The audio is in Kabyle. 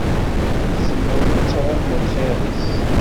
Tzemreḍ ad tɛummeḍ xir-is.